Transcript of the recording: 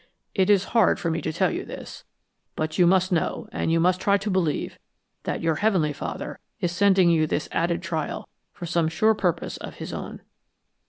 It is hard for me to tell you this, but you must know, and you must try to believe that your Heavenly Father is sending you this added trial for some sure purpose of His own.